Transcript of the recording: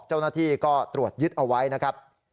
เจ้าหน้าที่ก็ตรวจยึดเอาไว้นะครับ